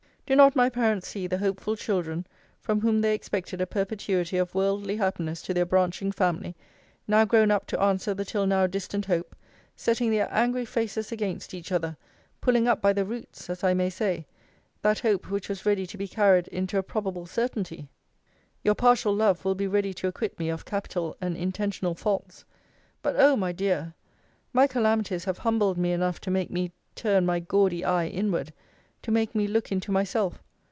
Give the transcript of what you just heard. Do not my parents see the hopeful children, from whom they expected a perpetuity of worldly happiness to their branching family, now grown up to answer the till now distant hope, setting their angry faces against each other, pulling up by the roots, as I may say, that hope which was ready to be carried into a probable certainty? Your partial love will be ready to acquit me of capital and intentional faults: but oh, my dear! my calamities have humbled me enough to make me turn my gaudy eye inward; to make me look into myself.